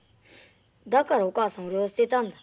だからお母さん俺を捨てたんだ。